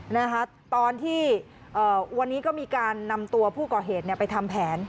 นะคะตอนที่เอ่อวันนี้ก็มีการนำตัวผู้ก่อเหตุเนี่ยไปทำแผน